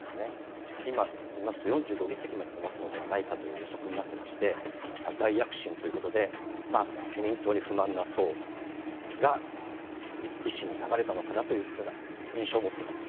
しかし今、見ますと４５議席まで伸ばすのではないかという予測になってまして、大躍進ということで、自民党に不満な層が維新に流れたのかな？というふうな印象をもってます。